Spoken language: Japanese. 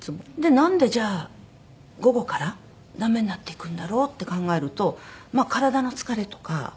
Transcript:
なんでじゃあ午後からダメになっていくんだろうって考えるとまあ体の疲れとか。